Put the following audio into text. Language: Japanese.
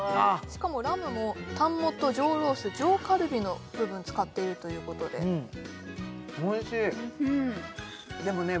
しかもラムもタン元上ロース上カルビの部分使っているということでうん美味しいでもね